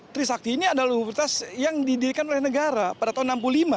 trisakti ini adalah universitas yang didirikan oleh negara pada tahun seribu sembilan ratus lima puluh